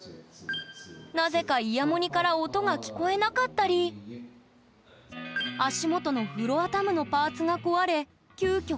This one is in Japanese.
なぜかイヤモニから音が聞こえなかったり足元のフロアタムのパーツが壊れ急きょ